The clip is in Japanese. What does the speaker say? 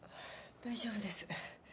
大丈夫です。